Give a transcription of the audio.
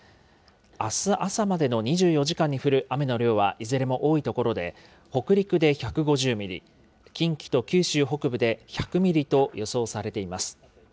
あす朝までの２４時間に降る雨の量は、いずれも多い所で、北陸で１５０ミリ、近畿と九州北部で１００ミリと予想されています。